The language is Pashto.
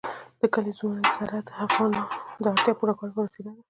د کلیزو منظره د افغانانو د اړتیاوو د پوره کولو وسیله ده.